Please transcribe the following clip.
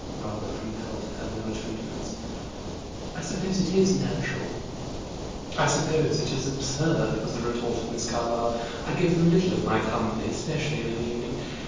Barbara compelled her manner to indifference. "I suppose it is natural." "I suppose it is absurd," was the retort of Miss Carlyle. "I give them little of my company, especially in an evening.